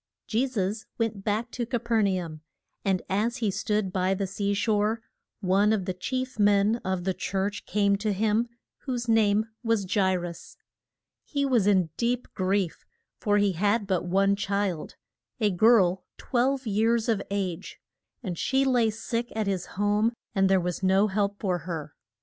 JE SUS went back to Ca per na um. And as he stood by the sea shore, one of the chief men of the church came to him, whose name was Ja i rus. He was in deep grief, for he had but one child, a girl twelve years of age, and she lay sick at his home and there was no help for her.